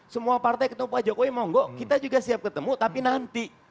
semua partai ketemu pak jokowi mau gak kita juga siap ketemu tapi nanti